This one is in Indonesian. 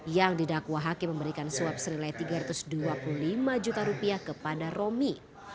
yang didakwa hakim memberikan suap senilai tiga ratus dua puluh lima juta rupiah kepada romi